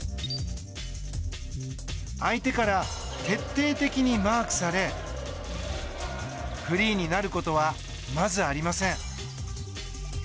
相手から徹底的にマークされフリーになることはまずありません。